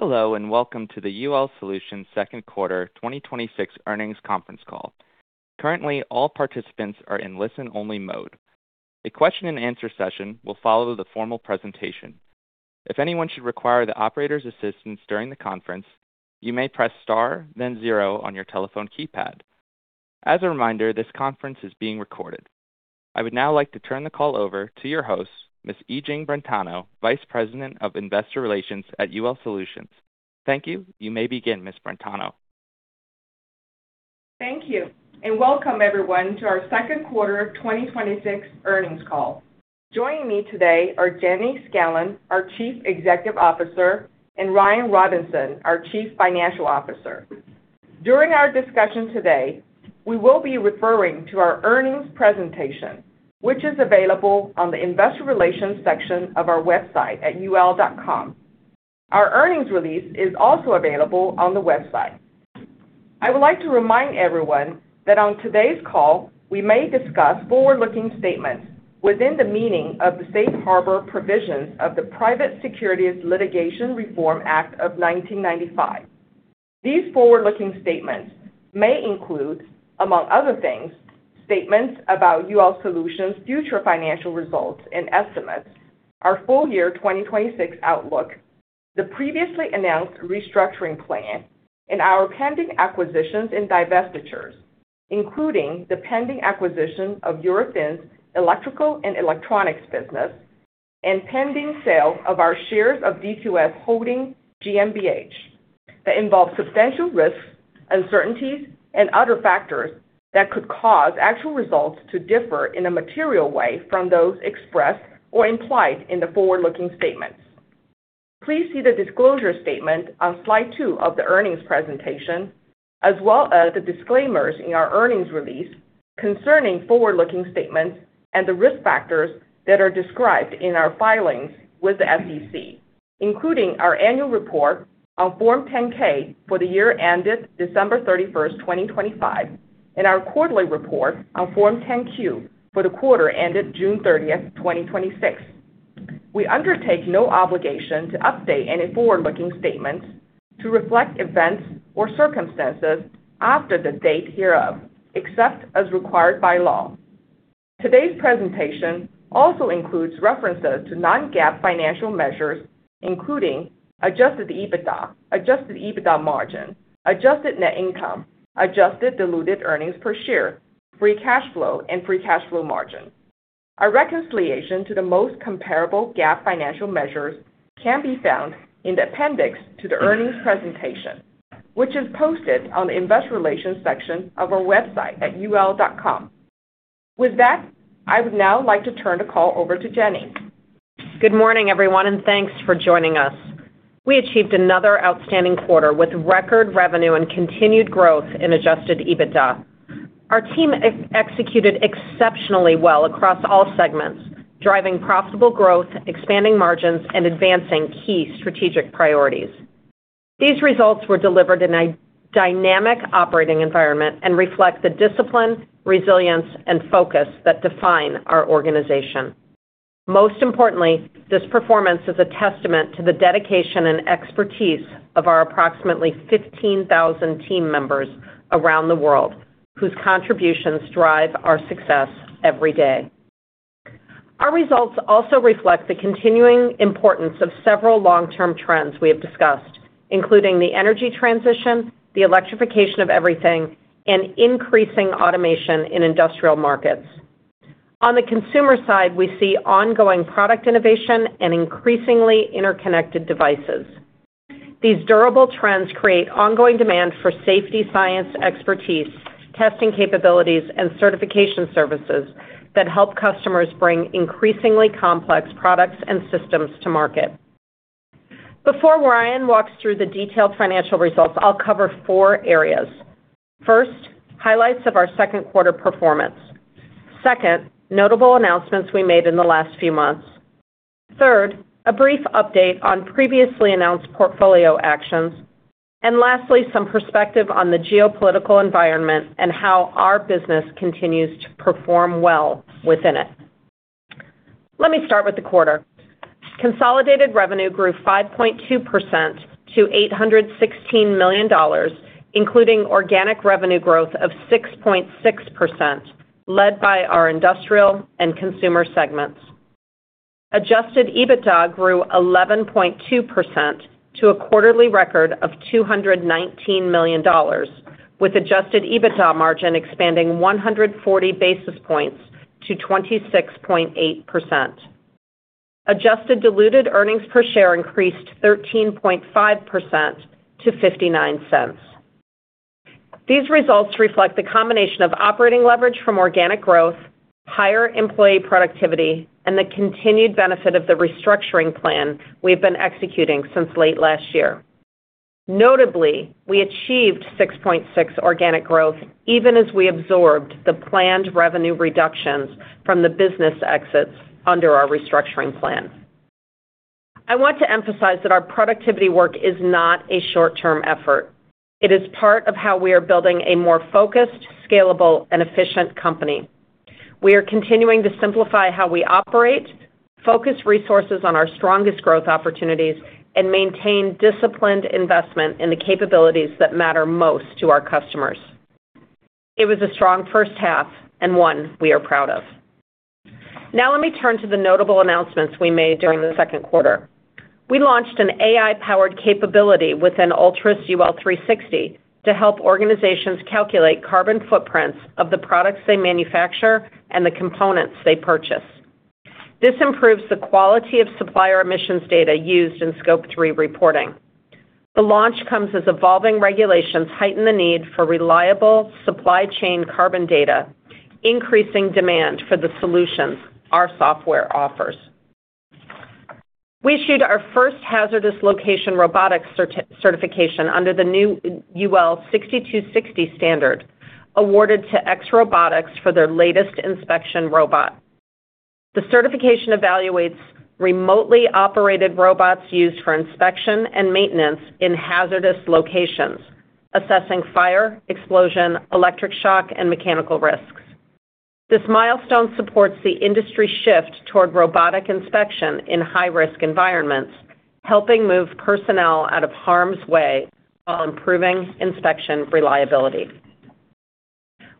Hello, and welcome to the UL Solutions second quarter 2026 earnings conference call. Currently, all participants are in listen-only mode. A question and answer session will follow the formal presentation. If anyone should require the operator's assistance during the conference, you may press star then zero on your telephone keypad. As a reminder, this conference is being recorded. I would now like to turn the call over to your host, Ms. Yijing Brentano, Vice President of Investor Relations at UL Solutions. Thank you. You may begin, Ms. Brentano. Thank you. Welcome everyone to our second quarter 2026 earnings call. Joining me today are Jenny Scanlon, our Chief Executive Officer, and Ryan Robinson, our Chief Financial Officer. During our discussion today, we will be referring to our earnings presentation, which is available on the investor relations section of our website at ul.com. Our earnings release is also available on the website. I would like to remind everyone that on today's call, we may discuss forward-looking statements within the meaning of the Safe Harbor provisions of the Private Securities Litigation Reform Act of 1995. These forward-looking statements may include, among other things, statements about UL Solutions' future financial results and estimates, our full year 2026 outlook, the previously announced restructuring plan, and our pending acquisitions and divestitures, including the pending acquisition of Eurofins Electrical & Electronics business, and pending sale of our shares of DQS Holding GmbH, that involve substantial risks, uncertainties and other factors that could cause actual results to differ in a material way from those expressed or implied in the forward-looking statements. Please see the disclosure statement on slide two of the earnings presentation, as well as the disclaimers in our earnings release concerning forward-looking statements and the risk factors that are described in our filings with the SEC, including our annual report on Form 10-K for the year ended December 31st, 2025, and our quarterly report on Form 10-Q for the quarter ended June 30th, 2026. We undertake no obligation to update any forward-looking statements to reflect events or circumstances after the date hereof, except as required by law. Today's presentation also includes references to non-GAAP financial measures, including Adjusted EBITDA, Adjusted EBITDA margin, Adjusted net income, Adjusted diluted earnings per share, Free cash flow, and Free cash flow margin. Our reconciliation to the most comparable GAAP financial measures can be found in the appendix to the earnings presentation, which is posted on the investor relations section of our website at ul.com. With that, I would now like to turn the call over to Jenny. Good morning, everyone, and thanks for joining us. We achieved another outstanding quarter with record revenue and continued growth in Adjusted EBITDA. Our team executed exceptionally well across all segments, driving profitable growth, expanding margins, and advancing key strategic priorities. These results were delivered in a dynamic operating environment and reflect the discipline, resilience, and focus that define our organization. Most importantly, this performance is a testament to the dedication and expertise of our approximately 15,000 team members around the world, whose contributions drive our success every day. Our results also reflect the continuing importance of several long-term trends we have discussed, including the energy transition, the electrification of everything, and increasing automation in industrial markets. On the consumer side, we see ongoing product innovation and increasingly interconnected devices. These durable trends create ongoing demand for safety science expertise, testing capabilities, and certification services that help customers bring increasingly complex products and systems to market. Before Ryan walks through the detailed financial results, I'll cover four areas. First, highlights of our second quarter performance. Second, notable announcements we made in the last few months. Third, a brief update on previously announced portfolio actions. Lastly, some perspective on the geopolitical environment and how our business continues to perform well within it. Let me start with the quarter. Consolidated revenue grew 5.2% to $816 million, including organic revenue growth of 6.6%, led by our industrial and consumer segments. Adjusted EBITDA grew 11.2% to a quarterly record of $219 million, with Adjusted EBITDA margin expanding 140 basis points to 26.8%. Adjusted diluted earnings per share increased 13.5% to $0.59. These results reflect the combination of operating leverage from organic growth, higher employee productivity, and the continued benefit of the restructuring plan we've been executing since late last year. Notably, we achieved 6.6% organic growth even as we absorbed the planned revenue reductions from the business exits under our restructuring plan. I want to emphasize that our productivity work is not a short-term effort. It is part of how we are building a more focused, scalable, and efficient company. We are continuing to simplify how we operate, focus resources on our strongest growth opportunities, and maintain disciplined investment in the capabilities that matter most to our customers. It was a strong first half and one we are proud of. Let me turn to the notable announcements we made during the second quarter. We launched an AI-powered capability within ULTRUS UL 360 to help organizations calculate carbon footprints of the products they manufacture and the components they purchase. This improves the quality of supplier emissions data used in Scope 3 reporting. The launch comes as evolving regulations heighten the need for reliable supply chain carbon data, increasing demand for the solutions our software offers. We issued our first hazardous location robotics certification under the new UL 6260 standard, awarded to ExRobotics for their latest inspection robot. The certification evaluates remotely operated robots used for inspection and maintenance in hazardous locations, assessing fire, explosion, electric shock, and mechanical risks. This milestone supports the industry shift toward robotic inspection in high-risk environments, helping move personnel out of harm's way while improving inspection reliability.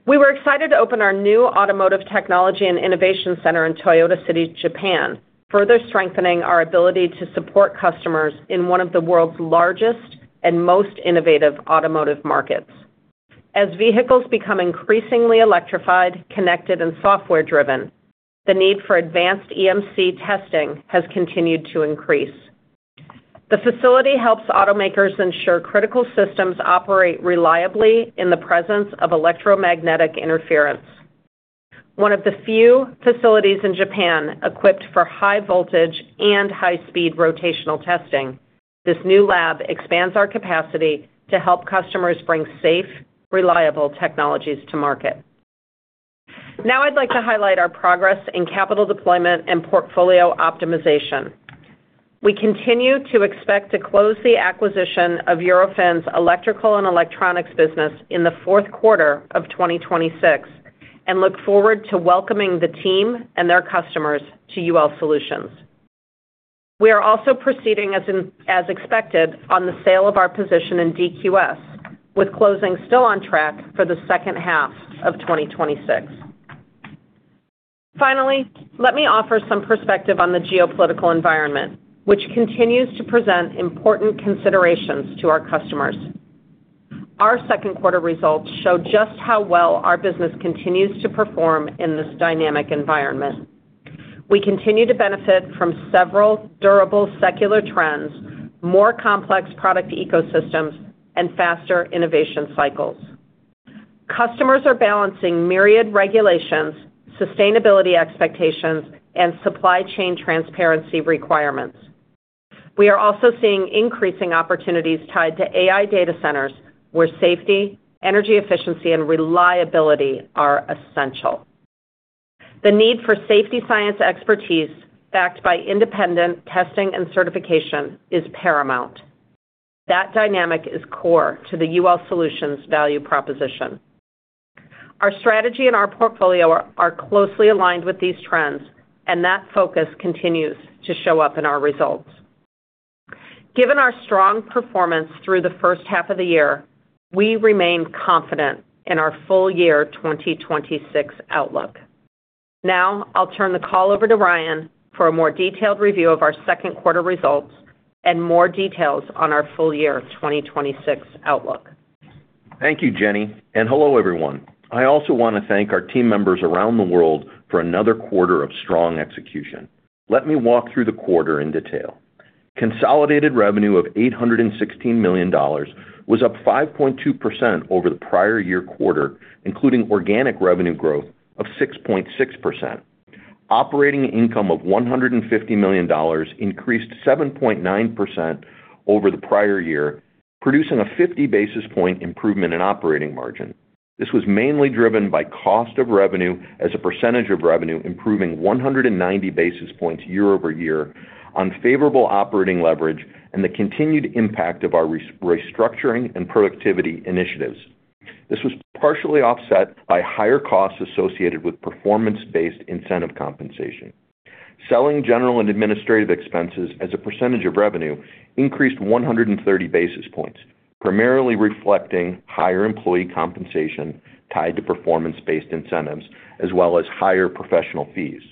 We were excited to open our new automotive technology and innovation center in Toyota City, Japan, further strengthening our ability to support customers in one of the world's largest and most innovative automotive markets. As vehicles become increasingly electrified, connected, and software-driven, the need for advanced EMC testing has continued to increase. The facility helps automakers ensure critical systems operate reliably in the presence of electromagnetic interference. One of the few facilities in Japan equipped for high voltage and high-speed rotational testing, this new lab expands our capacity to help customers bring safe, reliable technologies to market. Now I'd like to highlight our progress in capital deployment and portfolio optimization. We continue to expect to close the acquisition of Eurofins Electrical and Electronics business in the fourth quarter of 2026 and look forward to welcoming the team and their customers to UL Solutions. We are also proceeding as expected on the sale of our position in DQS, with closing still on track for the second half of 2026. Finally, let me offer some perspective on the geopolitical environment, which continues to present important considerations to our customers. Our second quarter results show just how well our business continues to perform in this dynamic environment. We continue to benefit from several durable secular trends, more complex product ecosystems, and faster innovation cycles. Customers are balancing myriad regulations, sustainability expectations, and supply chain transparency requirements. We are also seeing increasing opportunities tied to AI data centers where safety, energy efficiency, and reliability are essential. The need for safety science expertise backed by independent testing and certification is paramount. That dynamic is core to the UL Solutions value proposition. Our strategy and our portfolio are closely aligned with these trends. That focus continues to show up in our results. Given our strong performance through the first half of the year, we remain confident in our full year 2026 outlook. Now, I'll turn the call over to Ryan for a more detailed review of our second quarter results and more details on our full year 2026 outlook. Thank you, Jenny, and hello, everyone. I also want to thank our team members around the world for another quarter of strong execution. Let me walk through the quarter in detail. Consolidated revenue of $816 million was up 5.2% over the prior year quarter, including organic revenue growth of 6.6%. Operating income of $150 million increased 7.9% over the prior year, producing a 50 basis point improvement in operating margin. This was mainly driven by cost of revenue as a percentage of revenue improving 190 basis points year-over-year on favorable operating leverage and the continued impact of our restructuring and productivity initiatives. This was partially offset by higher costs associated with performance-based incentive compensation. Selling general and administrative expenses as a percentage of revenue increased 130 basis points, primarily reflecting higher employee compensation tied to performance-based incentives, as well as higher professional fees.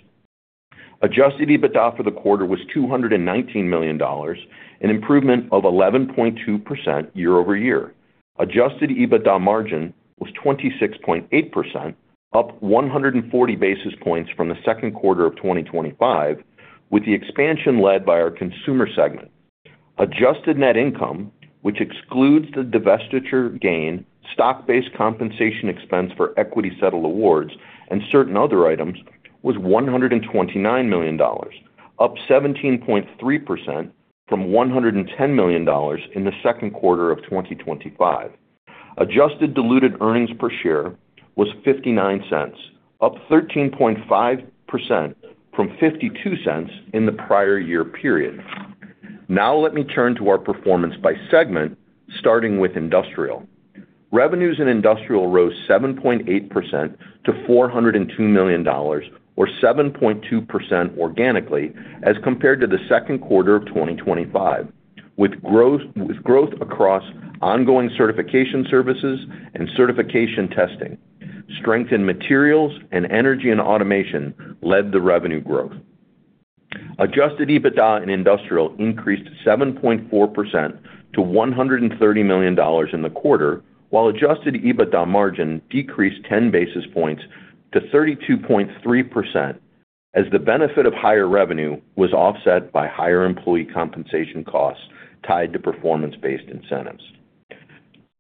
Adjusted EBITDA for the quarter was $219 million, an improvement of 11.2% year over year. Adjusted EBITDA margin was 26.8%, up 140 basis points from the second quarter of 2025, with the expansion led by our consumer segment. Adjusted net income, which excludes the divestiture gain, stock-based compensation expense for equity settled awards, and certain other items, was $129 million, up 17.3% from $110 million in the second quarter of 2025. Adjusted diluted earnings per share was $0.59, up 13.5% from $0.52 in the prior year period. Let me turn to our performance by segment, starting with industrial. Revenues in industrial rose 7.8% to $402 million, or 7.2% organically as compared to the second quarter of 2025. With growth across ongoing certification services and certification testing. Strength in materials and energy and automation led the revenue growth. Adjusted EBITDA in industrial increased 7.4% to $130 million in the quarter, while adjusted EBITDA margin decreased 10 basis points to 32.3% as the benefit of higher revenue was offset by higher employee compensation costs tied to performance-based incentives.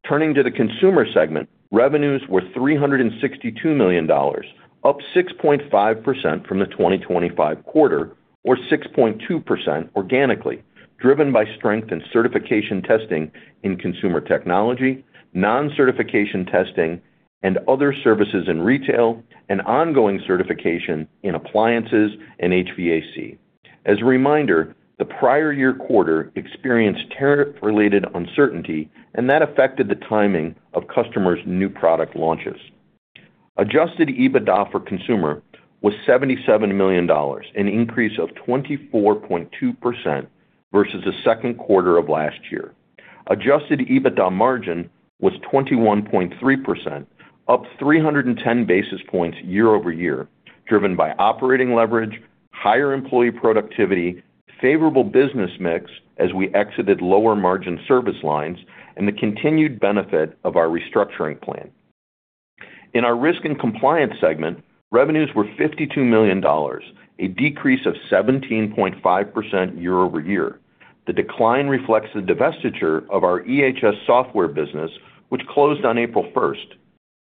Turning to the consumer segment, revenues were $362 million, up 6.5% from the 2025 quarter, or 6.2% organically, driven by strength in certification testing in consumer technology, non-certification testing and other services in retail, and ongoing certification in appliances and HVAC. As a reminder, the prior year quarter experienced tariff-related uncertainty, and that affected the timing of customers' new product launches. Adjusted EBITDA for consumer was $77 million, an increase of 24.2% versus the second quarter of last year. Adjusted EBITDA margin was 21.3%, up 310 basis points year over year, driven by operating leverage, higher employee productivity, favorable business mix as we exited lower margin service lines, and the continued benefit of our restructuring plan. In our risk and compliance segment, revenues were $52 million, a decrease of 17.5% year over year. The decline reflects the divestiture of our EHS software business, which closed on April 1st.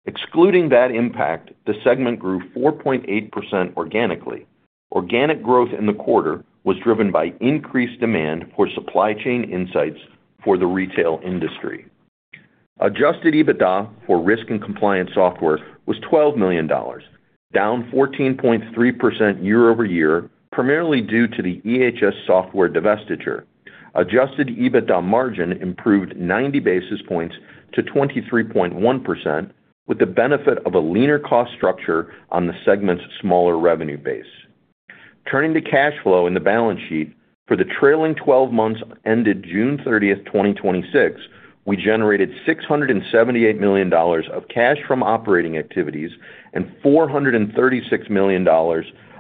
Excluding that impact, the segment grew 4.8% organically. Organic growth in the quarter was driven by increased demand for supply chain insights for the retail industry. Adjusted EBITDA for risk and compliance software was $12 million, down 14.3% year over year, primarily due to the EHS software divestiture. Adjusted EBITDA margin improved 90 basis points to 23.1% with the benefit of a leaner cost structure on the segment's smaller revenue base. To cash flow in the balance sheet. For the trailing 12 months ended June 30, 2026, we generated $678 million of cash from operating activities and $436 million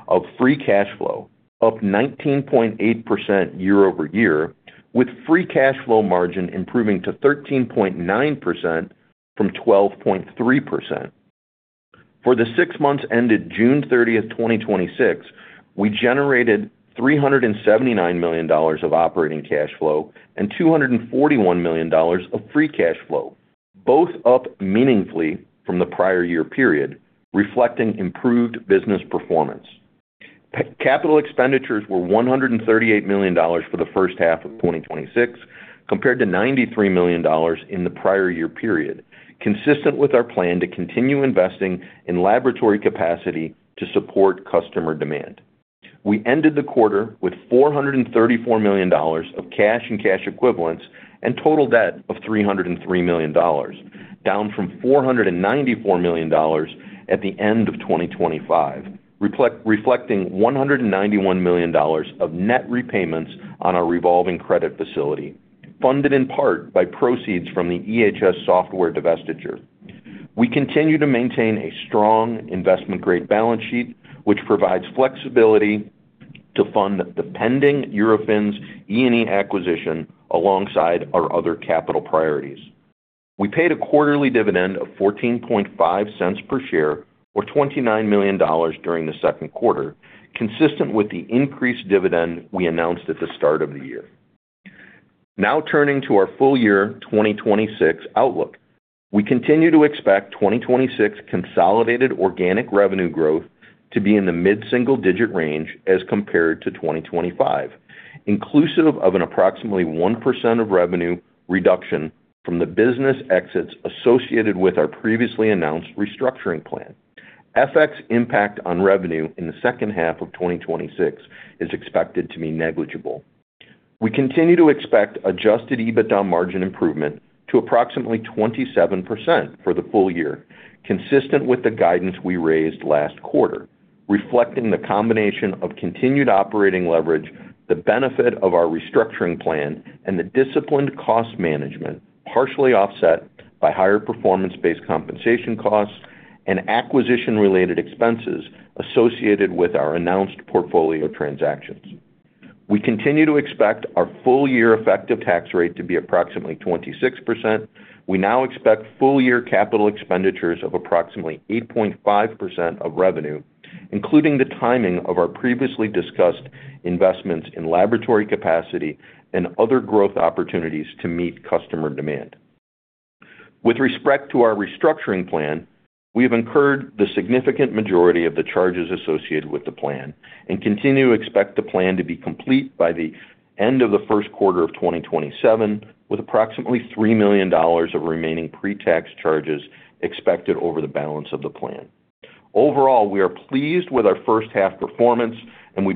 of free cash flow, up 19.8% year over year, with free cash flow margin improving to 13.9% from 12.3%. For the six months ended June 30, 2026, we generated $379 million of operating cash flow and $241 million of free cash flow, both up meaningfully from the prior year period, reflecting improved business performance. Capital expenditures were $138 million for the first half of 2026, compared to $93 million in the prior year period, consistent with our plan to continue investing in laboratory capacity to support customer demand. We ended the quarter with $434 million of cash and cash equivalents and total debt of $303 million, down from $494 million at the end of 2025. Reflecting $191 million of net repayments on our revolving credit facility, funded in part by proceeds from the EHS software divestiture. We continue to maintain a strong investment-grade balance sheet, which provides flexibility to fund the pending Eurofins E&E acquisition alongside our other capital priorities. We paid a quarterly dividend of $0.145 per share or $29 million during the second quarter, consistent with the increased dividend we announced at the start of the year. Turning to our full year 2026 outlook. We continue to expect 2026 consolidated organic revenue growth to be in the mid-single digit range as compared to 2025, inclusive of an approximately 1% of revenue reduction from the business exits associated with our previously announced restructuring plan. FX impact on revenue in the second half of 2026 is expected to be negligible. We continue to expect adjusted EBITDA margin improvement to approximately 27% for the full year, consistent with the guidance we raised last quarter, reflecting the combination of continued operating leverage, the benefit of our restructuring plan, and disciplined cost management, partially offset by higher performance-based compensation costs and acquisition-related expenses associated with our announced portfolio transactions. We continue to expect our full year effective tax rate to be approximately 26%. We now expect full year capital expenditures of approximately 8.5% of revenue, including the timing of our previously discussed investments in laboratory capacity and other growth opportunities to meet customer demand. With respect to our restructuring plan, we have incurred the significant majority of the charges associated with the plan and continue to expect the plan to be complete by the end of the first quarter of 2027, with approximately $3 million of remaining pre-tax charges expected over the balance of the plan. Overall, we are pleased with our first half performance, and we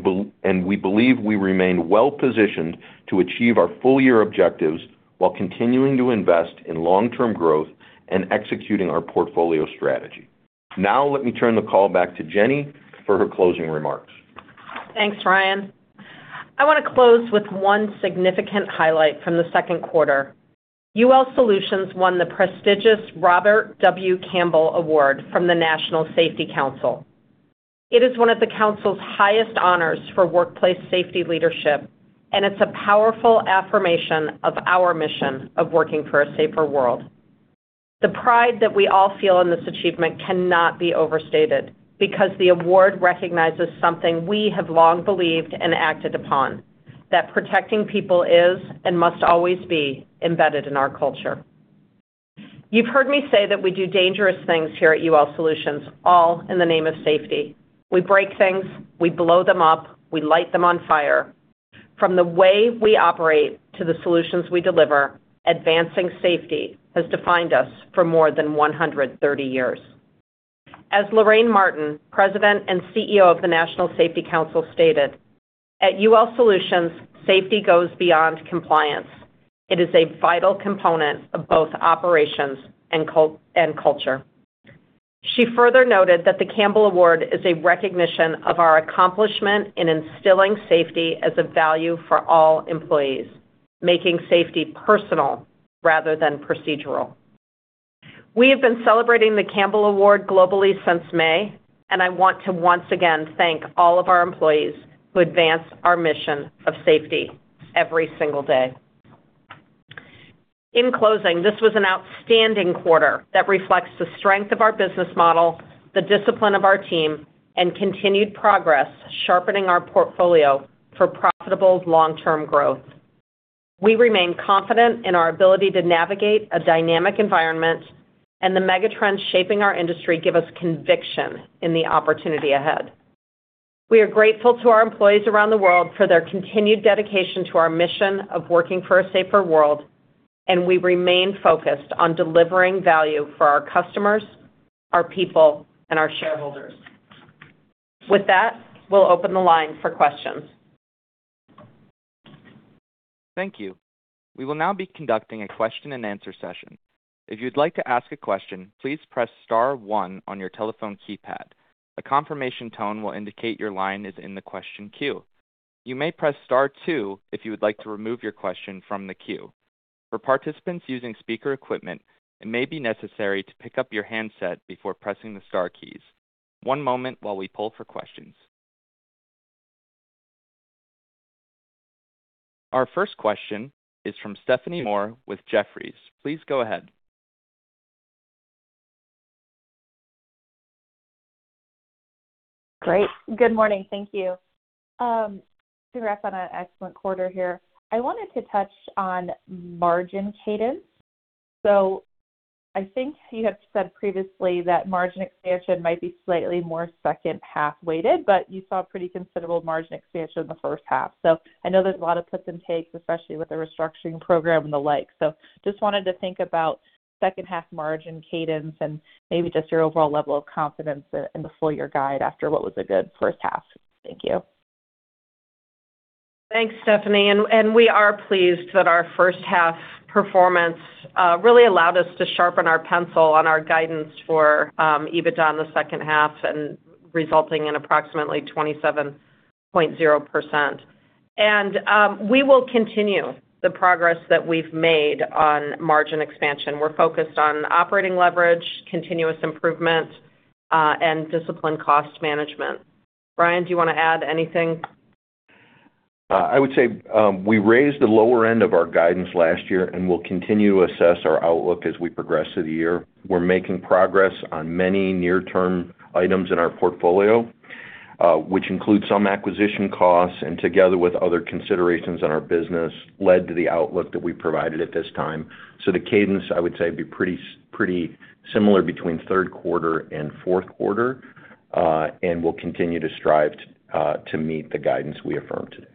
believe we remain well-positioned to achieve our full-year objectives while continuing to invest in long-term growth and executing our portfolio strategy. Let me turn the call back to Jenny for her closing remarks. Thanks, Ryan. I want to close with one significant highlight from the second quarter. UL Solutions won the prestigious Robert W. Campbell Award from the National Safety Council. It is one of the council's highest honors for workplace safety leadership, and it's a powerful affirmation of our mission of working for a safer world. The pride that we all feel in this achievement cannot be overstated, because the award recognizes something we have long believed and acted upon, that protecting people is, and must always be, embedded in our culture. You've heard me say that we do dangerous things here at UL Solutions, all in the name of safety. We break things, we blow them up, we light them on fire. From the way we operate to the solutions we deliver, advancing safety has defined us for more than 130 years. As Lorraine Martin, President and CEO of the National Safety Council, stated, "At UL Solutions, safety goes beyond compliance. It is a vital component of both operations and culture." She further noted that the Campbell Award is a recognition of our accomplishment in instilling safety as a value for all employees, making safety personal rather than procedural. We have been celebrating the Campbell Award globally since May. I want to once again thank all of our employees who advance our mission of safety every single day. In closing, this was an outstanding quarter that reflects the strength of our business model, the discipline of our team, and continued progress sharpening our portfolio for profitable long-term growth. We remain confident in our ability to navigate a dynamic environment, and the megatrends shaping our industry give us conviction in the opportunity ahead. We are grateful to our employees around the world for their continued dedication to our mission of working for a safer world. We remain focused on delivering value for our customers, our people, and our shareholders. With that, we'll open the line for questions. Thank you. We will now be conducting a question and answer session. If you'd like to ask a question, please press star one on your telephone keypad. A confirmation tone will indicate your line is in the question queue. You may press star two if you would like to remove your question from the queue. For participants using speaker equipment, it may be necessary to pick up your handset before pressing the star keys. One moment while we poll for questions. Our first question is from Stephanie Moore with Jefferies. Please go ahead. Great. Good morning. Thank you. To wrap on an excellent quarter here, I wanted to touch on margin cadence. I think you have said previously that margin expansion might be slightly more second half-weighted, but you saw pretty considerable margin expansion in the first half. I know there's a lot of puts and takes, especially with the restructuring program and the like. Just wanted to think about second half margin cadence and maybe just your overall level of confidence in the full-year guide after what was a good first half. Thank you. Thanks, Stephanie. We are pleased that our first half performance really allowed us to sharpen our pencil on our guidance for EBITDA in the second half and resulting in approximately 27.0%. We will continue the progress that we've made on margin expansion. We're focused on operating leverage, continuous improvement, and disciplined cost management. Ryan, do you want to add anything? I would say we raised the lower end of our guidance last year, we'll continue to assess our outlook as we progress through the year. We're making progress on many near-term items in our portfolio, which includes some acquisition costs and together with other considerations in our business, led to the outlook that we provided at this time. The cadence, I would say, would be pretty similar between third quarter and fourth quarter. We'll continue to strive to meet the guidance we affirmed today.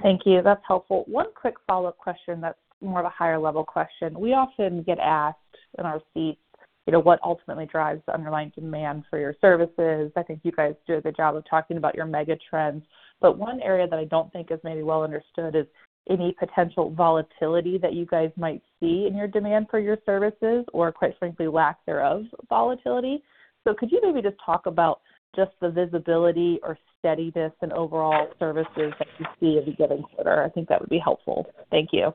Thank you. That's helpful. One quick follow-up question that's more of a higher level question. We often get asked in our seats what ultimately drives the underlying demand for your services. I think you guys do a good job of talking about your mega trends, but one area that I don't think is maybe well understood is any potential volatility that you guys might see in your demand for your services or quite frankly, lack thereof volatility. Could you maybe just talk about just the visibility or steadiness in overall services that you see as we get into the quarter? I think that would be helpful. Thank you.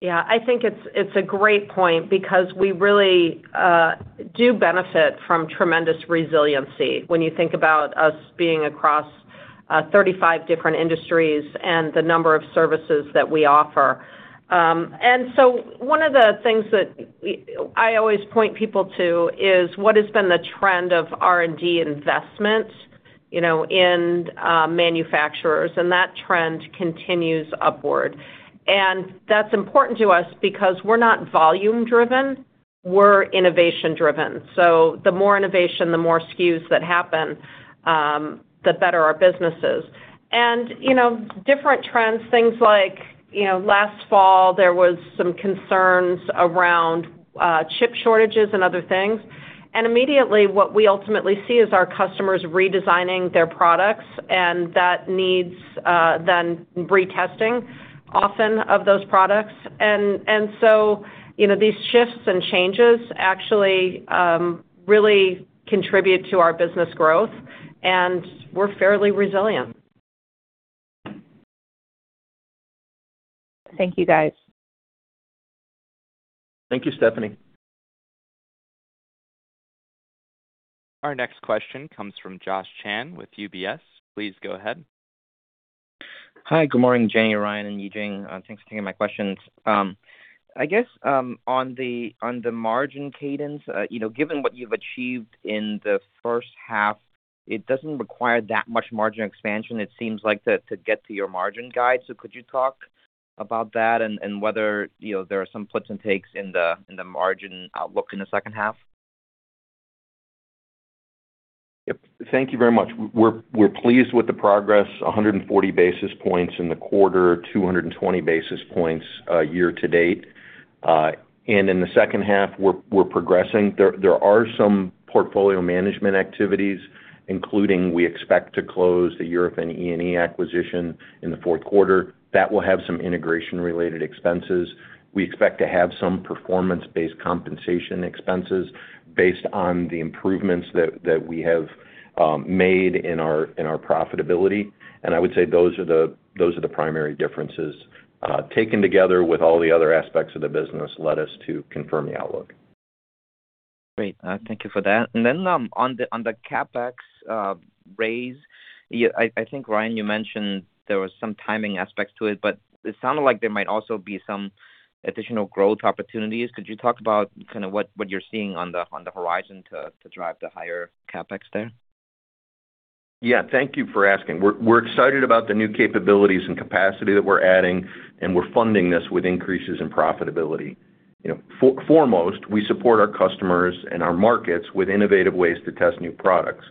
Yeah. I think it's a great point because we really do benefit from tremendous resiliency when you think about us being across 35 different industries and the number of services that we offer. One of the things that I always point people to is what has been the trend of R&D investments, you know, end manufacturers, that trend continues upward. That's important to us because we're not volume driven, we're innovation driven. The more innovation, the more SKUs that happen, the better our business is. Different trends, things like, last fall there was some concerns around chip shortages and other things. Immediately what we ultimately see is our customers redesigning their products, that needs then retesting often of those products. These shifts and changes actually really contribute to our business growth, and we're fairly resilient. Thank you, guys. Thank you, Stephanie. Our next question comes from Josh Chan with UBS. Please go ahead. Hi. Good morning, Jenny, Ryan, and Yijing. Thanks for taking my questions. I guess, on the margin cadence, given what you've achieved in the first half, it doesn't require that much margin expansion it seems like to get to your margin guide. Could you talk about that and whether there are some puts and takes in the margin outlook in the second half? Yep, thank you very much. We're pleased with the progress, 140 basis points in the quarter, 220 basis points year to date. In the second half, we're progressing. There are some portfolio management activities, including we expect to close the Eurofins E&E acquisition in the fourth quarter. That will have some integration related expenses. We expect to have some performance-based compensation expenses based on the improvements that we have made in our profitability. I would say those are the primary differences, taken together with all the other aspects of the business led us to confirm the outlook. Great. Thank you for that. Then, on the CapEx raise. I think, Ryan, you mentioned there was some timing aspects to it, but it sounded like there might also be some additional growth opportunities. Could you talk about kind of what you're seeing on the horizon to drive the higher CapEx there? Yeah, thank you for asking. We're excited about the new capabilities and capacity that we're adding, and we're funding this with increases in profitability. Foremost, we support our customers and our markets with innovative ways to test new products.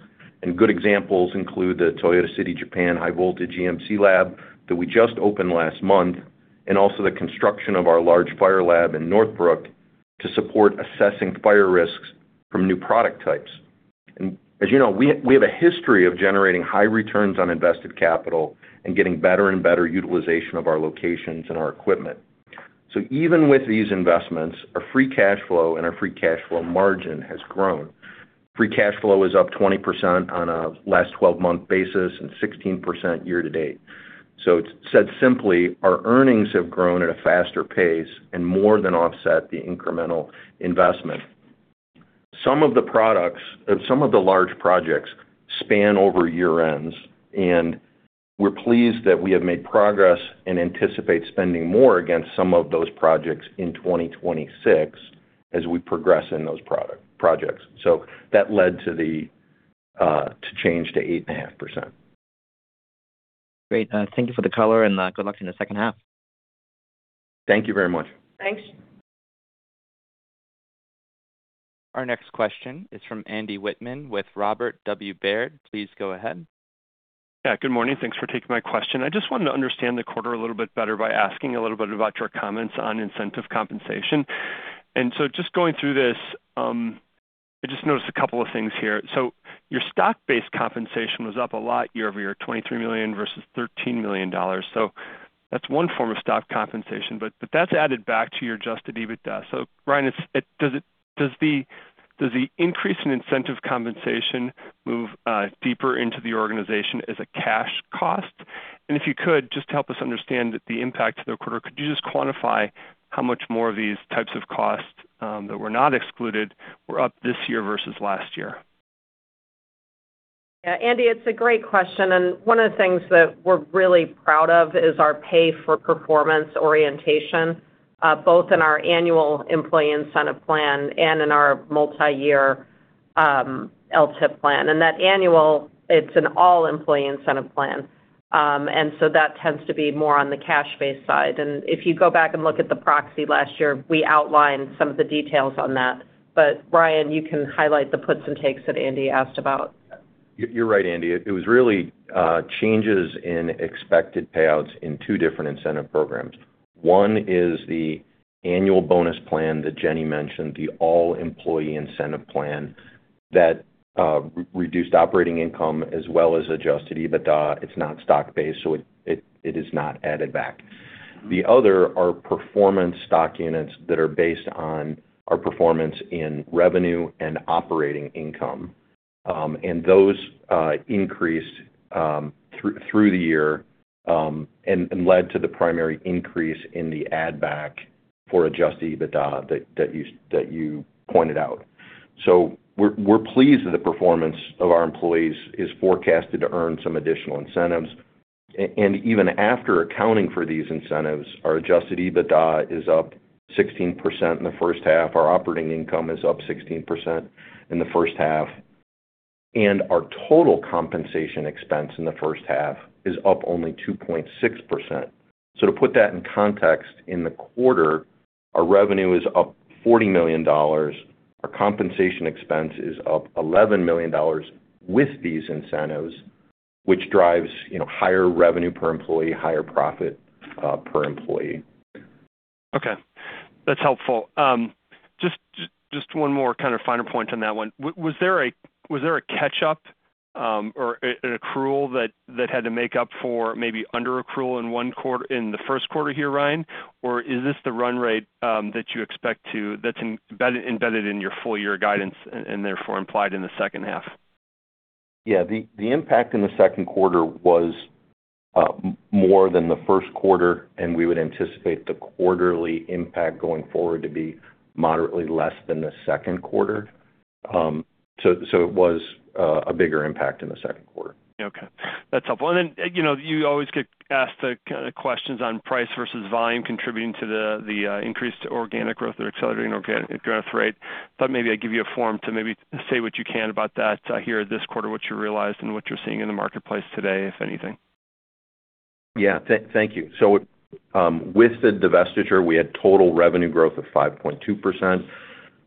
Good examples include the Toyota City, Japan high voltage EMC lab that we just opened last month, and also the construction of our large fire lab in Northbrook to support assessing fire risks from new product types. As you know, we have a history of generating high returns on invested capital and getting better and better utilization of our locations and our equipment. Even with these investments, our free cash flow and our free cash flow margin has grown. Free cash flow is up 20% on a last 12-month basis and 16% year to date. Said simply, our earnings have grown at a faster pace and more than offset the incremental investment. Some of the large projects span over year ends, and we're pleased that we have made progress and anticipate spending more against some of those projects in 2026 as we progress in those projects. That led to change to 8.5%. Great. Thank you for the color and good luck in the second half. Thank you very much. Thanks. Our next question is from Andy Wittmann with Robert W. Baird. Please go ahead. Good morning. Thanks for taking my question. I just wanted to understand the quarter a little bit better by asking a little bit about your comments on incentive compensation. Just going through this, I just noticed a couple of things here. Your stock-based compensation was up a lot year-over-year, $23 million versus $13 million. That's one form of stock compensation, but that's added back to your adjusted EBITDA. Ryan, does the increase in incentive compensation move deeper into the organization as a cash cost? If you could, just to help us understand the impact to the quarter, could you just quantify how much more of these types of costs that were not excluded were up this year versus last year? Andy, it's a great question, one of the things that we're really proud of is our pay for performance orientation, both in our annual employee incentive plan and in our multi-year LTIP plan. That annual, it's an all employee incentive plan. That tends to be more on the cash-based side. If you go back and look at the proxy last year, we outlined some of the details on that. Ryan, you can highlight the puts and takes that Andy asked about. You're right, Andy. It was really changes in expected payouts in two different incentive programs. One is the annual bonus plan that Jenny mentioned, the all employee incentive plan that reduced operating income as well as adjusted EBITDA. It's not stock-based, so it is not added back. The other are performance stock units that are based on our performance in revenue and operating income. Those increased through the year, and led to the primary increase in the add back for adjusted EBITDA that you pointed out. We're pleased that the performance of our employees is forecasted to earn some additional incentives. Even after accounting for these incentives, our adjusted EBITDA is up 16% in the first half. Our operating income is up 16% in the first half, and our total compensation expense in the first half is up only 2.6%. To put that in context, in the quarter, our revenue is up $40 million. Our compensation expense is up $11 million with these incentives, which drives higher revenue per employee, higher profit per employee. Okay. That's helpful. Just one more kind of finer point on that one. Was there a catch-up or an accrual that had to make up for maybe under-accrual in the first quarter here, Ryan? Is this the run rate that's embedded in your full-year guidance and therefore implied in the second half? Yeah. The impact in the second quarter was more than the first quarter, we would anticipate the quarterly impact going forward to be moderately less than the second quarter. It was a bigger impact in the second quarter. Okay. That's helpful. Then you always get asked the questions on price versus volume contributing to the increased organic growth or accelerating organic growth rate. Thought maybe I'd give you a forum to maybe say what you can about that here this quarter, what you realized and what you're seeing in the marketplace today, if anything. Yeah. Thank you. With the divestiture, we had total revenue growth of 5.2%.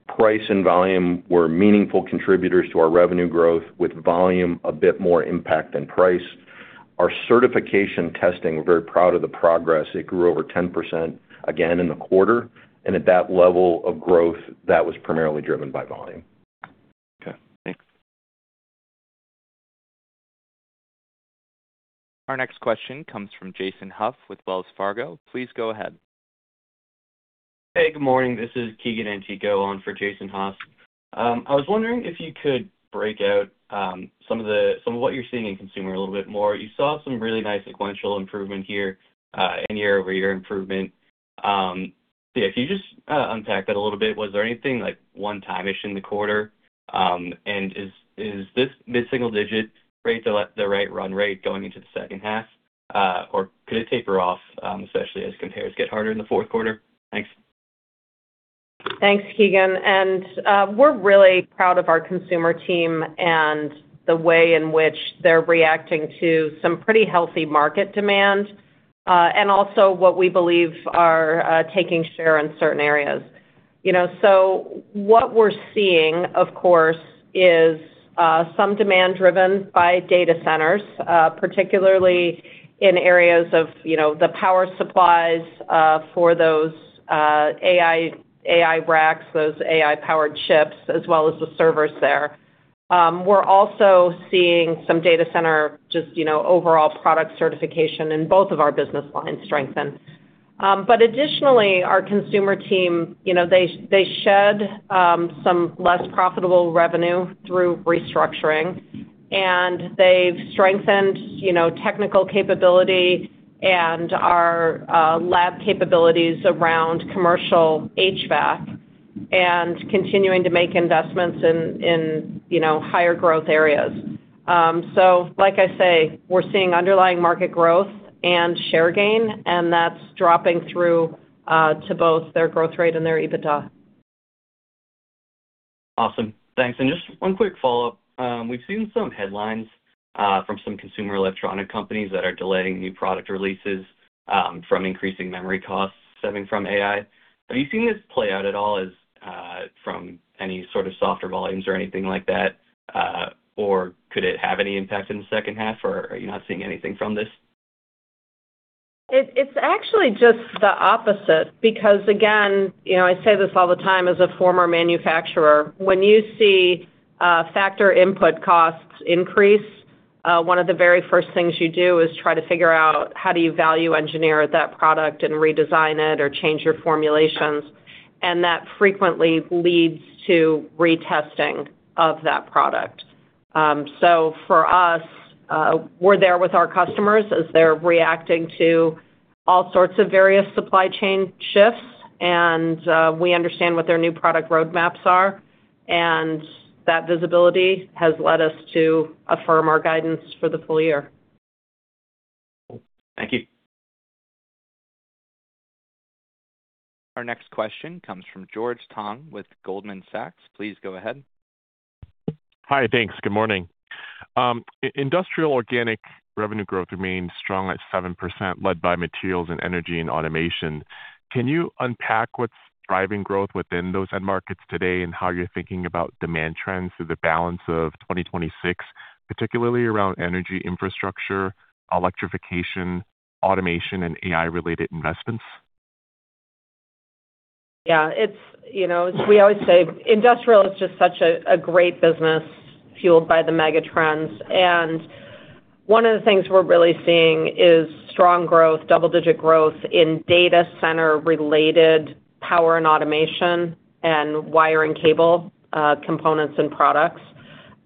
Price and volume were meaningful contributors to our revenue growth, with volume a bit more impact than price. Our certification testing, we're very proud of the progress. It grew over 10%, again, in the quarter. At that level of growth, that was primarily driven by volume. Okay, thanks. Our next question comes from Jason Haas with Wells Fargo. Please go ahead. Hey, good morning. This is Keegan Antico on for Jason Haas. I was wondering if you could break out some of what you're seeing in consumer a little bit more. You saw some really nice sequential improvement here, and year-over-year improvement. If you just unpack that a little bit. Was there anything one-time ish in the quarter? Is this mid-single digit rate the right run rate going into the second half? Or could it taper off, especially as compares get harder in the fourth quarter? Thanks. Thanks, Keegan. We're really proud of our consumer team and the way in which they're reacting to some pretty healthy market demand, and also what we believe are taking share in certain areas. What we're seeing, of course, is some demand driven by data centers, particularly in areas of the power supplies for those AI racks, those AI-powered chips, as well as the servers there. We're also seeing some data center, just overall product certification in both of our business lines strengthen. Additionally, our consumer team, they shed some less profitable revenue through restructuring, and they've strengthened technical capability and our lab capabilities around commercial HVAC, and continuing to make investments in higher growth areas. Like I say, we're seeing underlying market growth and share gain, and that's dropping through to both their growth rate and their EBITDA. Awesome. Thanks. Just one quick follow-up. We've seen some headlines from some consumer electronic companies that are delaying new product releases from increasing memory costs stemming from AI. Are you seeing this play out at all from any sort of softer volumes or anything like that? Or could it have any impact in the second half, or are you not seeing anything from this? It's actually just the opposite because again, I say this all the time as a former manufacturer, when you see factor input costs increase, one of the very first things you do is try to figure out how do you value engineer that product and redesign it or change your formulations. That frequently leads to retesting of that product. For us, we're there with our customers as they're reacting to all sorts of various supply chain shifts, and we understand what their new product roadmaps are, and that visibility has led us to affirm our guidance for the full year. Cool. Thank you. Our next question comes from George Tong with Goldman Sachs. Please go ahead. Hi. Thanks. Good morning. Industrial organic revenue growth remains strong at 7%, led by materials and energy and automation. Can you unpack what's driving growth within those end markets today and how you're thinking about demand trends through the balance of 2026, particularly around energy infrastructure, electrification, automation, and AI-related investments? Yeah. As we always say, industrial is just such a great business fueled by the mega trends. One of the things we're really seeing is strong growth, double-digit growth in data center related power and automation and wire and cable components and products.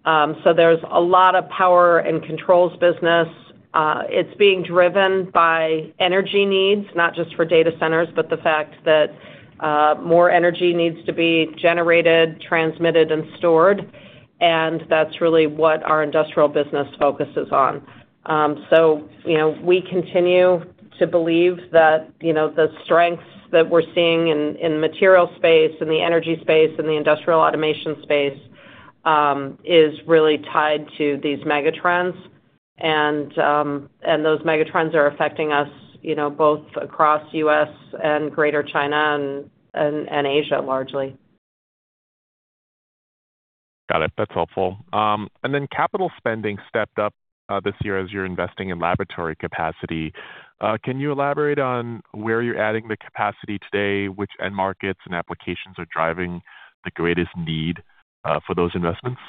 There's a lot of power and controls business. It's being driven by energy needs, not just for data centers, but the fact that more energy needs to be generated, transmitted, and stored. That's really what our industrial business focuses on. We continue to believe that the strengths that we're seeing in the material space, in the energy space, in the industrial automation space is really tied to these megatrends. Those megatrends are affecting us both across U.S. and Greater China and Asia largely. Got it. That's helpful. Capital spending stepped up this year as you're investing in laboratory capacity. Can you elaborate on where you're adding the capacity today, which end markets and applications are driving the greatest need for those investments?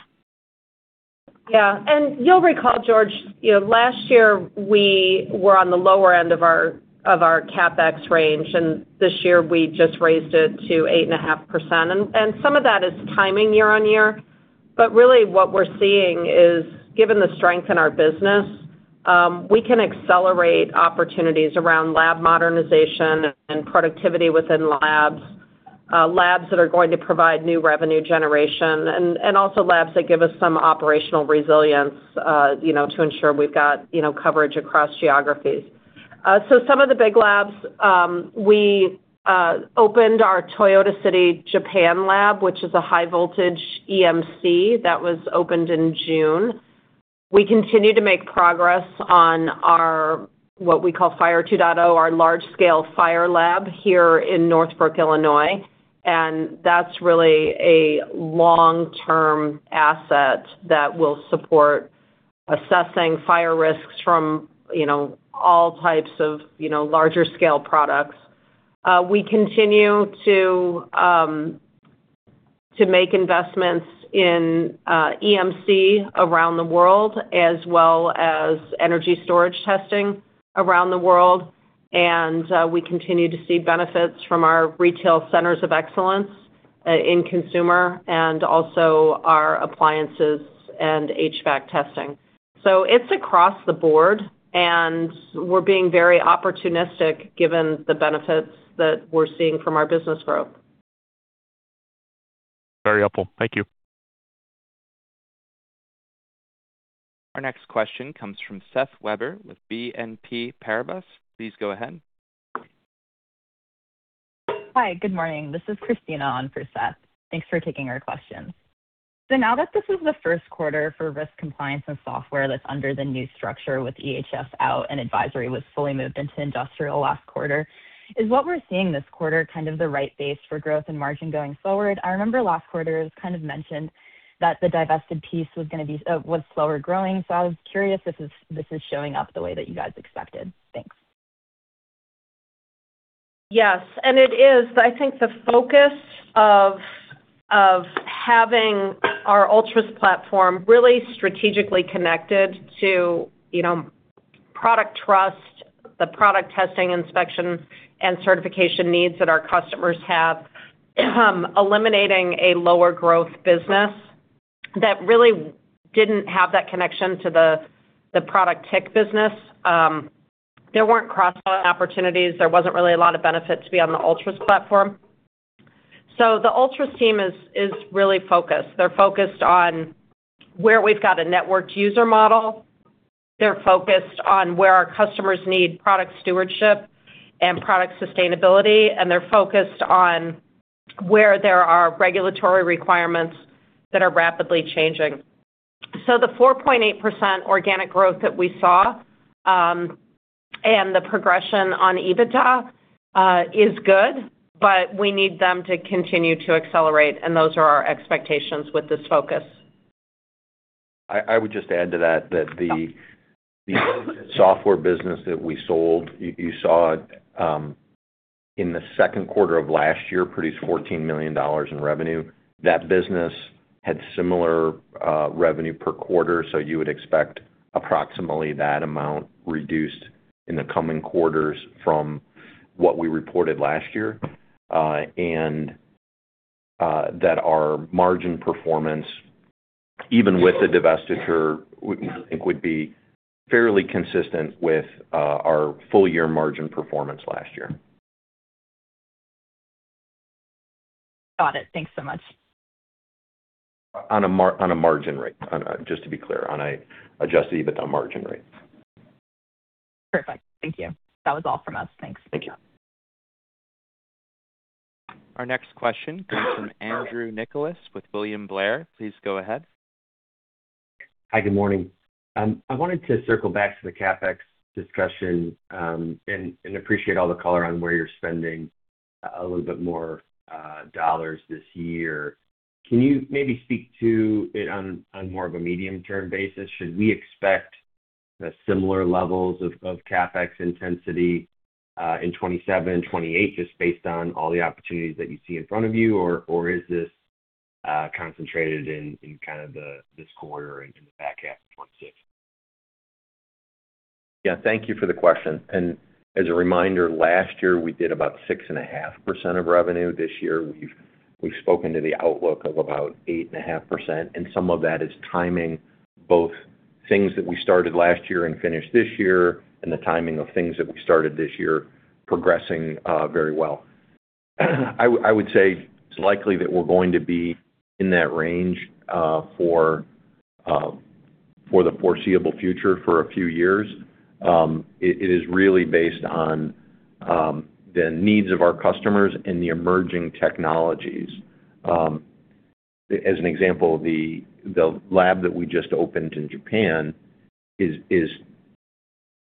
Yeah. You'll recall, George, last year we were on the lower end of our CapEx range. This year we just raised it to 8.5%. Some of that is timing year-on-year. Really what we're seeing is, given the strength in our business, we can accelerate opportunities around lab modernization and productivity within labs that are going to provide new revenue generation and also labs that give us some operational resilience to ensure we've got coverage across geographies. Some of the big labs, we opened our Toyota City Japan lab, which is a high voltage EMC that was opened in June. We continue to make progress on our, what we call Fire 2.0, our large scale fire lab here in Northbrook, Illinois. That's really a long-term asset that will support assessing fire risks from all types of larger scale products. We continue to make investments in EMC around the world, as well as energy storage testing around the world. We continue to see benefits from our retail centers of excellence in consumer and also our appliances and HVAC testing. It's across the board, and we're being very opportunistic given the benefits that we're seeing from our business growth. Very helpful. Thank you. Our next question comes from Seth Weber with BNP Paribas. Please go ahead. Hi. Good morning. This is Christina on for Seth. Thanks for taking our questions. Now that this is the first quarter for Risk, Compliance and Software that's under the new structure with EHS out and Advisory was fully moved into Industrial last quarter, is what we're seeing this quarter kind of the right base for growth and margin going forward? I remember last quarter it was kind of mentioned that the divested piece was slower growing. I was curious if this is showing up the way that you guys expected. Thanks. Yes. It is. I think the focus of having our ULTRUS platform really strategically connected to product trust, the product testing, inspection, and certification needs that our customers have, eliminating a lower growth business that really didn't have that connection to the product TIC business. There weren't cross opportunities. There wasn't really a lot of benefit to be on the ULTRUS platform. The ULTRUS team is really focused. They're focused on where we've got a networked user model. They're focused on where our customers need product stewardship and product sustainability, and they're focused on where there are regulatory requirements that are rapidly changing. The 4.8% organic growth that we saw, and the progression on EBITDA is good, but we need them to continue to accelerate, and those are our expectations with this focus. I would just add to that the software business that we sold, you saw it in the second quarter of last year, produced $14 million in revenue. That business had similar revenue per quarter. You would expect approximately that amount reduced in the coming quarters from what we reported last year. That our margin performance, even with the divestiture, we think would be fairly consistent with our full year margin performance last year. Got it. Thanks so much. On a margin rate, just to be clear. On a adjusted EBITDA margin rate. Perfect. Thank you. That was all from us. Thanks. Thank you. Our next question comes from Andrew Nicholas with William Blair. Please go ahead. Hi. Good morning. I wanted to circle back to the CapEx discussion. Appreciate all the color on where you're spending a little bit more dollars this year. Can you maybe speak to it on more of a medium-term basis? Should we expect similar levels of CapEx intensity in 2027, 2028, just based on all the opportunities that you see in front of you? Is this concentrated in kind of this quarter and in the back half of 2026? Thank you for the question. As a reminder, last year we did about 6.5% of revenue. This year, we've spoken to the outlook of about 8.5%. Some of that is timing, both things that we started last year and finished this year. The timing of things that we started this year progressing very well. I would say it's likely that we're going to be in that range for the foreseeable future, for a few years. It is really based on the needs of our customers and the emerging technologies. As an example, the lab that we just opened in Japan is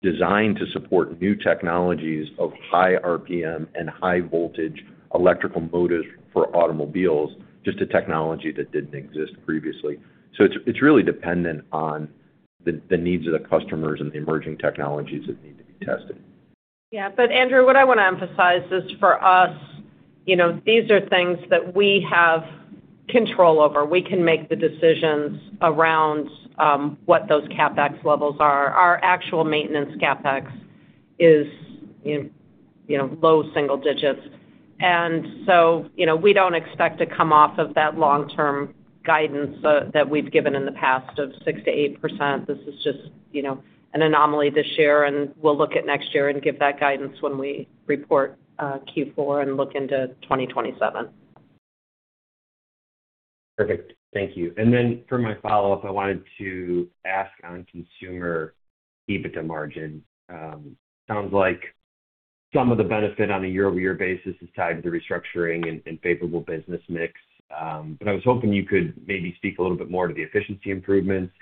designed to support new technologies of high RPM and high voltage electrical motors for automobiles, just a technology that didn't exist previously. It's really dependent on the needs of the customers and the emerging technologies that need to be tested. Andrew, what I want to emphasize is for us, these are things that we have control over. We can make the decisions around what those CapEx levels are. Our actual maintenance CapEx is low single digits. We don't expect to come off of that long-term guidance that we've given in the past of 6%-8%. This is just an anomaly this year. We'll look at next year and give that guidance when we report Q4 and look into 2027. Perfect. Thank you. For my follow-up, I wanted to ask on consumer EBITDA margin. Sounds like some of the benefit on a year-over-year basis is tied to the restructuring and favorable business mix. I was hoping you could maybe speak a little bit more to the efficiency improvements.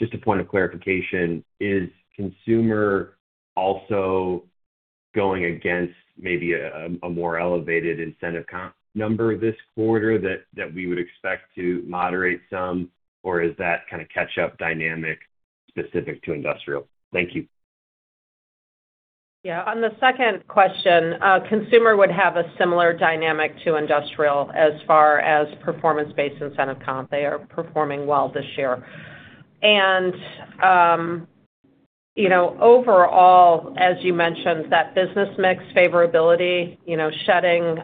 Just a point of clarification, is consumer also going against maybe a more elevated incentive comp number this quarter that we would expect to moderate some, or is that kind of catch-up dynamic specific to industrial? Thank you. Yeah. On the second question, consumer would have a similar dynamic to industrial as far as performance-based incentive comp. They are performing well this year. Overall, as you mentioned, that business mix favorability, shedding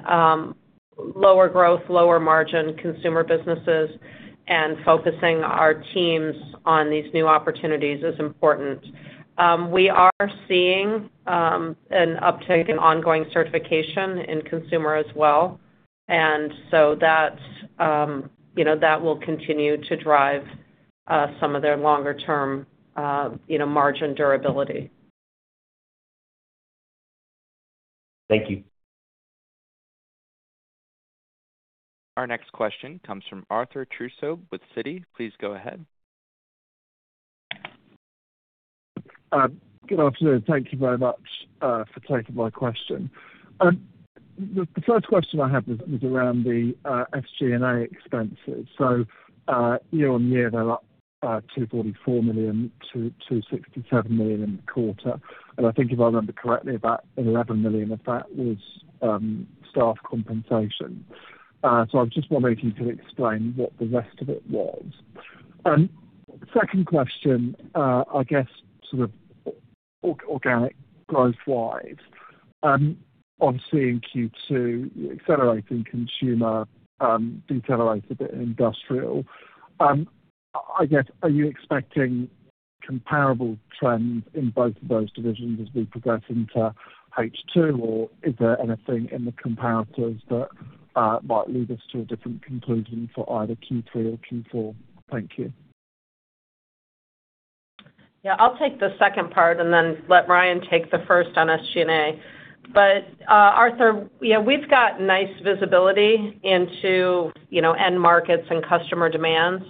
lower growth, lower margin consumer businesses, and focusing our teams on these new opportunities is important. We are seeing an uptick in ongoing certification in consumer as well, that will continue to drive some of their longer-term margin durability. Thank you. Our next question comes from Arthur Truslove with Citi. Please go ahead. Good afternoon. Thank you very much for taking my question. The first question I have is around the SG&A expenses. Year-on-year, they're up $244 million-$267 million in the quarter. I think if I remember correctly, about $11 million of that was staff compensation. I just wonder if you could explain what the rest of it was. Second question, I guess sort of organic growth-wise on seeing Q2 accelerating consumer, decelerating industrial. Are you expecting comparable trends in both of those divisions as we progress into H2, or is there anything in the comparatives that might lead us to a different conclusion for either Q3 or Q4? Thank you. Yeah, I'll take the second part and then let Ryan take the first on SG&A. Arthur, we've got nice visibility into end markets and customer demands,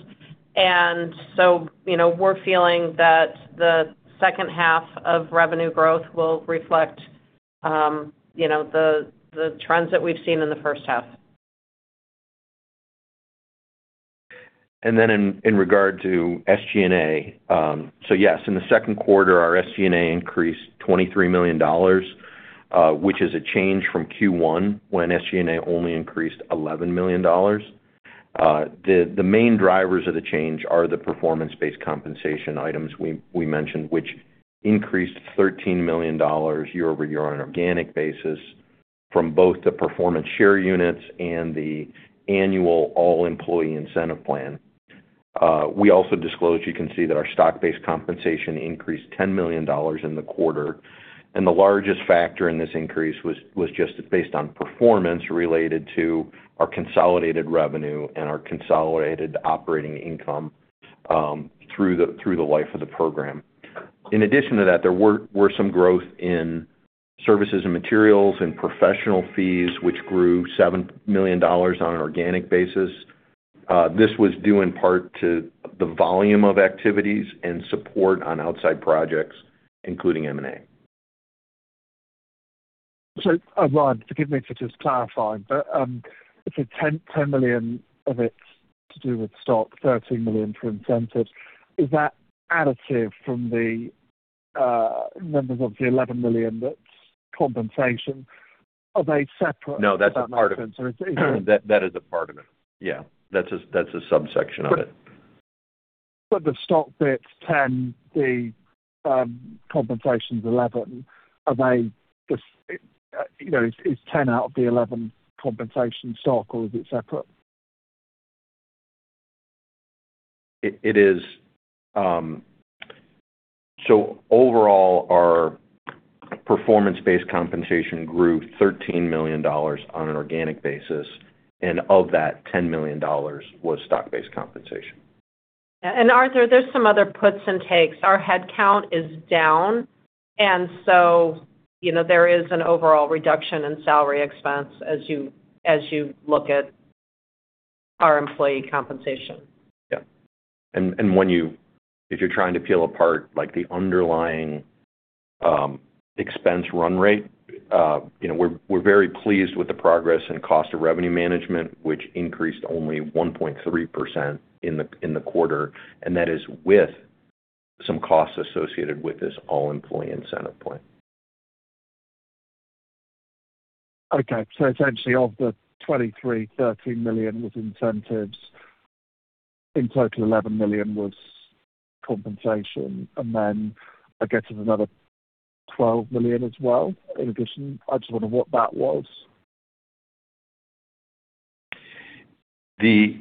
we're feeling that the second half of revenue growth will reflect the trends that we've seen in the first half. In regard to SG&A, yes, in the second quarter, our SG&A increased $23 million, which is a change from Q1 when SG&A only increased $11 million. The main drivers of the change are the performance-based compensation items we mentioned, which increased $13 million year-over-year on an organic basis from both the performance share units and the annual all-employee incentive plan. We also disclosed, you can see that our stock-based compensation increased $10 million in the quarter, the largest factor in this increase was just based on performance related to our consolidated revenue and our consolidated operating income through the life of the program. In addition to that, there were some growth in services and materials and professional fees, which grew $7 million on an organic basis. This was due in part to the volume of activities and support on outside projects, including M&A. Ryan, forgive me for just clarifying, if $10 million of it's to do with stock, $13 million for incentives, is that additive from the members of the $11 million that's compensation? Are they separate? No, that's a part of it. That is a part of it. Yeah. That's a subsection of it. The stock bit's $10, the compensation's $11. Is $10 out of the $11 compensation stock or is it separate? Overall, our performance-based compensation grew $13 million on an organic basis, and of that, $10 million was stock-based compensation. Arthur, there's some other puts and takes. Our head count is down, and so there is an overall reduction in salary expense as you look at our employee compensation. If you're trying to peel apart the underlying expense run rate, we're very pleased with the progress in cost of revenue management, which increased only 1.3% in the quarter, and that is with some costs associated with this all employee incentive plan. Essentially of the 23, $13 million was incentives. In total, $11 million was compensation. I guess there's another $12 million as well, in addition. I just wonder what that was. Within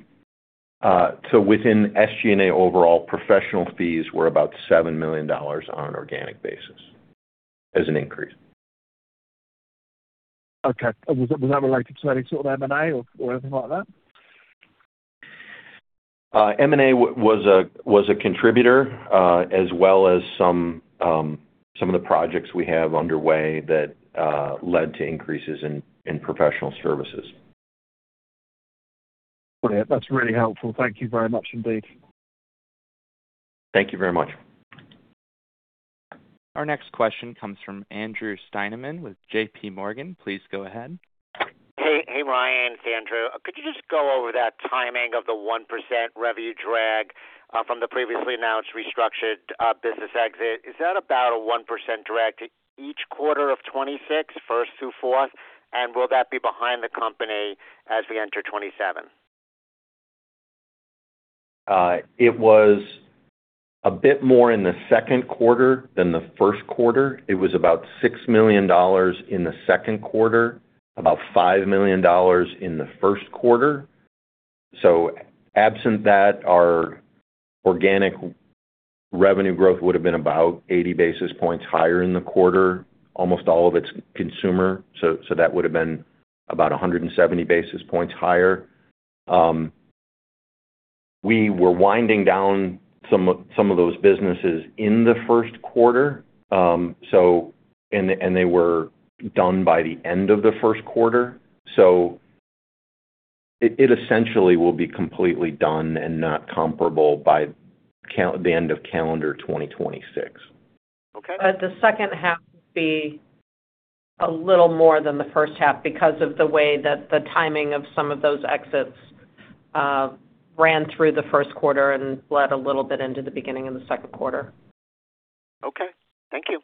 SG&A, overall, professional fees were about $7 million on an organic basis as an increase. Okay. Was that related to any sort of M&A or anything like that? M&A was a contributor, as well as some of the projects we have underway that led to increases in professional services. Yeah, that's really helpful. Thank you very much indeed. Thank you very much. Our next question comes from Andrew Steinerman with JPMorgan. Please go ahead. Hey, Ryan. It's Andrew. Could you just go over that timing of the 1% revenue drag from the previously announced restructured business exit? Is that about a 1% drag to each quarter of 2026, first through fourth? Will that be behind the company as we enter 2027? It was a bit more in the second quarter than the first quarter. It was about $6 million in the second quarter, about $5 million in the first quarter. Absent that, our organic revenue growth would have been about 80 basis points higher in the quarter. Almost all of it's consumer. That would've been about 170 basis points higher. We were winding down some of those businesses in the first quarter, and they were done by the end of the first quarter. It essentially will be completely done and not comparable by the end of calendar 2026. Okay. The second half will be a little more than the first half because of the way that the timing of some of those exits ran through the first quarter and bled a little bit into the beginning of the second quarter. Okay. Thank you.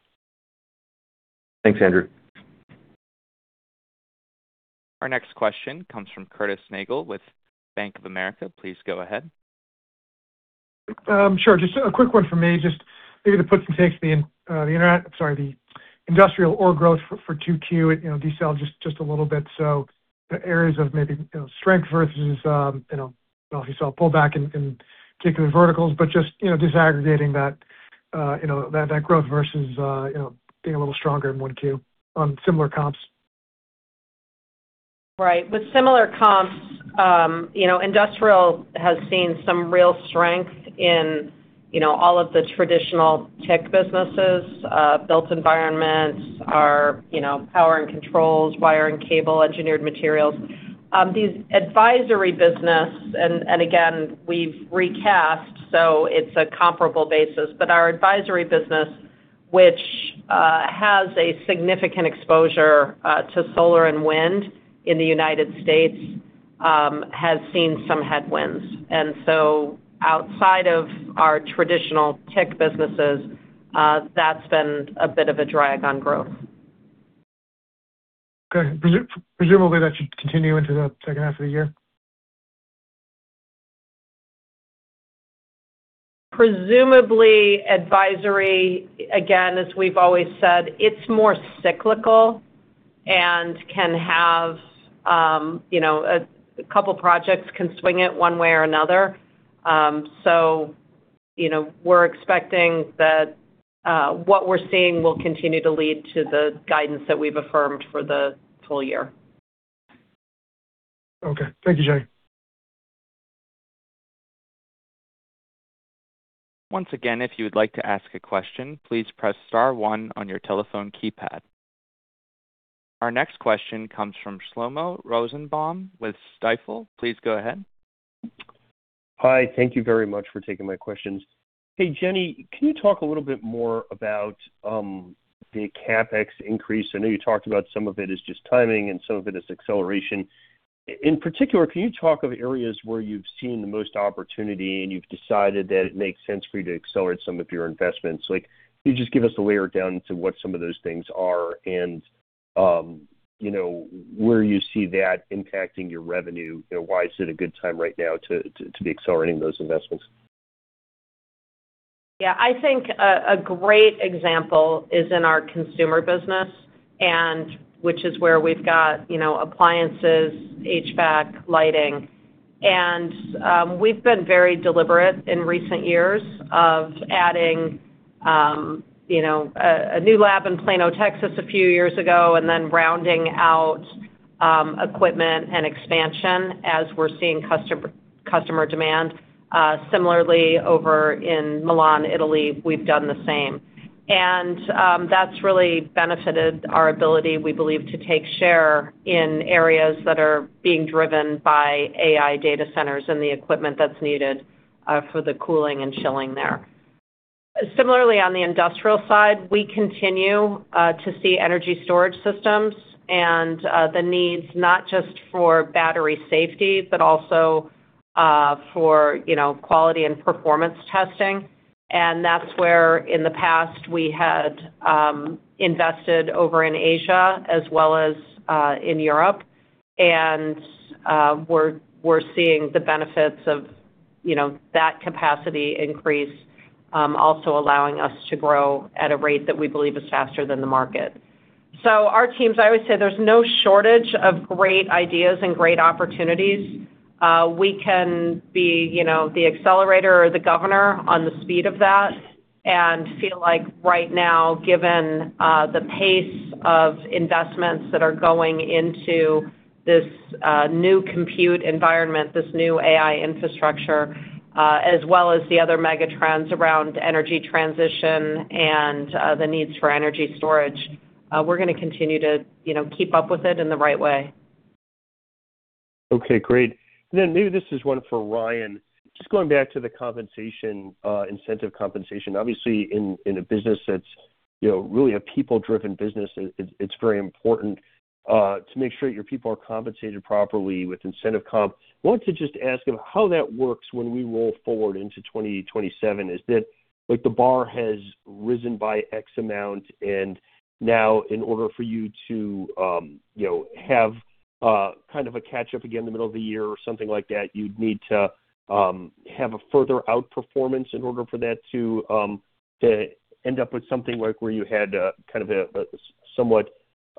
Thanks, Andrew. Our next question comes from Curtis Nagle with Bank of America. Please go ahead. Sure. Just a quick one from me, just maybe the puts and takes, the industrial organic growth for 2Q it decelerated just a little bit. The areas of maybe strength versus if you saw a pullback in particular verticals, but just disaggregating that growth versus being a little stronger in 1Q on similar comps. Right. With similar comps, industrial has seen some real strength in all of the traditional tech businesses, built environments, our power and controls, wire and cable, engineered materials. Our advisory business, and again, we've recast, so it's a comparable basis, but our advisory business, which has a significant exposure to solar and wind in the U.S., has seen some headwinds. Outside of our traditional tech businesses, that's been a bit of a drag on growth. Okay. Presumably that should continue into the second half of the year? Presumably advisory, again, as we've always said, it's more cyclical, and a couple projects can swing it one way or another. We're expecting that what we're seeing will continue to lead to the guidance that we've affirmed for the full year. Okay. Thank you, Jenny. Once again, if you would like to ask a question, please press star one on your telephone keypad. Our next question comes from Shlomo Rosenbaum with Stifel. Please go ahead. Hi. Thank you very much for taking my questions. Hey, Jenny, can you talk a little bit more about the CapEx increase? I know you talked about some of it is just timing and some of it is acceleration. In particular, can you talk of areas where you've seen the most opportunity and you've decided that it makes sense for you to accelerate some of your investments? Can you just give us a layer down into what some of those things are and where you see that impacting your revenue? Why is it a good time right now to be accelerating those investments? I think a great example is in our consumer business, which is where we've got appliances, HVAC, lighting. We've been very deliberate in recent years of adding a new lab in Plano, Texas, a few years ago, and then rounding out equipment and expansion as we're seeing customer demand. Similarly, over in Milan, Italy, we've done the same. That's really benefited our ability, we believe, to take share in areas that are being driven by AI data centers and the equipment that's needed for the cooling and chilling there. Similarly, on the industrial side, we continue to see energy storage systems and the needs not just for battery safety, but also for quality and performance testing. That's where, in the past, we had invested over in Asia as well as in Europe. We're seeing the benefits of that capacity increase, also allowing us to grow at a rate that we believe is faster than the market. Our teams, I always say there's no shortage of great ideas and great opportunities. We can be the accelerator or the governor on the speed of that and feel like right now, given the pace of investments that are going into this new compute environment, this new AI infrastructure, as well as the other mega trends around energy transition and the needs for energy storage, we're going to continue to keep up with it in the right way. Great. Maybe this is one for Ryan. Just going back to the incentive compensation. Obviously, in a business that's really a people-driven business, it's very important to make sure your people are compensated properly with incentive comp. Wanted to just ask of how that works when we roll forward into 2027, is that the bar has risen by X amount, now in order for you to have a catch-up again in the middle of the year or something like that, you'd need to have a further out performance in order for that to end up with something like where you had somewhat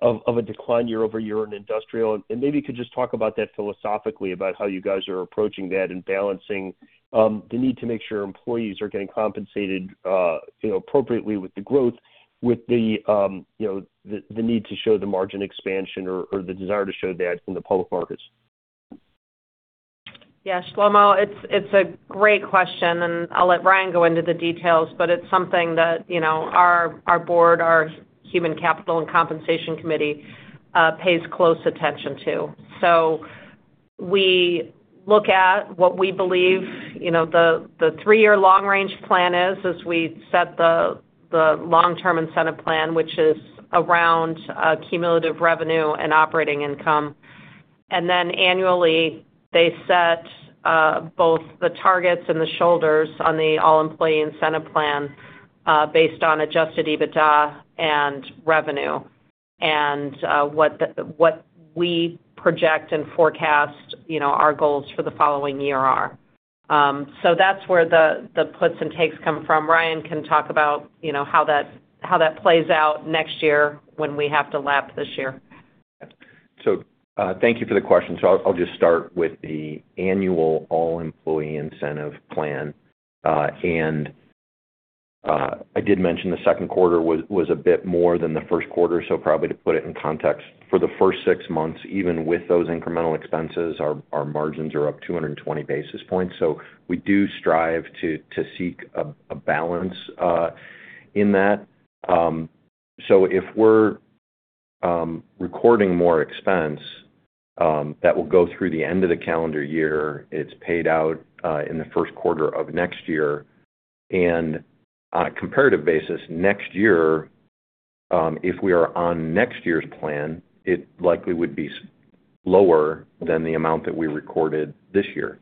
of a decline year-over-year in industrial. Maybe you could just talk about that philosophically, about how you guys are approaching that and balancing the need to make sure employees are getting compensated appropriately with the growth, with the need to show the margin expansion or the desire to show that in the public markets. Yeah. Shlomo, it's a great question, and I'll let Ryan go into the details, but it's something that our board, our human capital and compensation committee pays close attention to. We look at what we believe the three-year long range plan is as we set the long-term incentive plan, which is around cumulative revenue and operating income. Annually, they set both the targets and the shoulders on the all-employee incentive plan based on adjusted EBITDA and revenue, and what we project and forecast our goals for the following year are. That's where the puts and takes come from. Ryan can talk about how that plays out next year when we have to lap this year. Thank you for the question. I'll just start with the annual all-employee incentive plan. I did mention the second quarter was a bit more than the first quarter, probably to put it in context, for the first six months, even with those incremental expenses, our margins are up 220 basis points. We do strive to seek a balance in that. If we're recording more expense, that will go through the end of the calendar year. It's paid out in the first quarter of next year. On a comparative basis, next year, if we are on next year's plan, it likely would be lower than the amount that we recorded this year.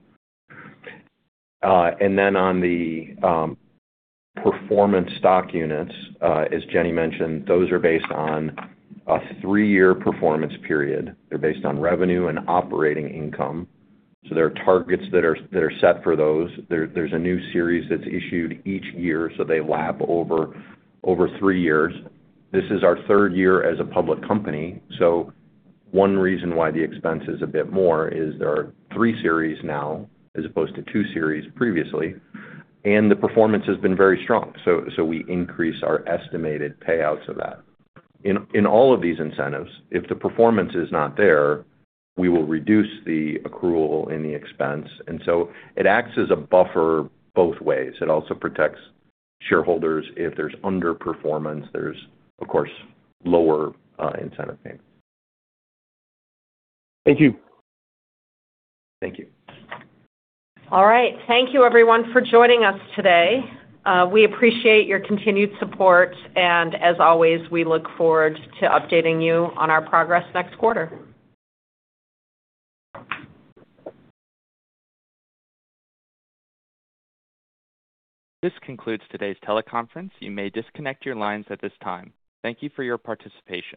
On the performance stock units, as Jenny mentioned, those are based on a three-year performance period. They're based on revenue and operating income. There are targets that are set for those. There's a new series that's issued each year, so they lap over three years. This is our third year as a public company. One reason why the expense is a bit more is there are three series now as opposed to two series previously, and the performance has been very strong. We increase our estimated payouts of that. In all of these incentives, if the performance is not there, we will reduce the accrual and the expense, it acts as a buffer both ways. It also protects shareholders. If there's underperformance, there's, of course, lower incentive pay. Thank you. Thank you. All right. Thank you everyone for joining us today. We appreciate your continued support, and as always, we look forward to updating you on our progress next quarter. This concludes today's teleconference. You may disconnect your lines at this time. Thank you for your participation.